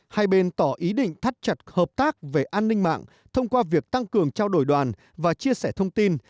hai bên tỏ ý định thắt chặt hợp tác về an ninh mạng thông qua việc tăng cường trao đổi đoàn và chia sẻ thông tin